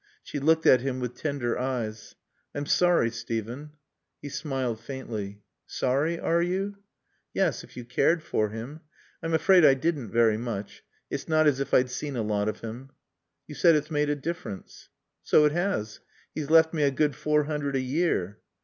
She looked at him with tender eyes. "I'm sorry, Steven." He smiled faintly. "Sorry, are you?" "Yes. If you cared for him." "I'm afraid I didn't very much. It's not as if I'd seen a lot of him." "You said it's made a difference." "So it has. He's left me a good four hundred a year."